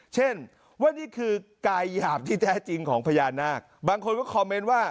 เช่นว่านี่คือกายหยาบที่แท้จริงของพญานาคบางคนก็คอมเมนต์ว่า